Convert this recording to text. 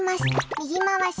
右回し。